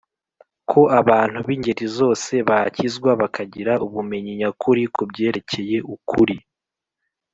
Ko abantu b ingeri zose bakizwa bakagira ubumenyi nyakuri ku byerekeye ukuri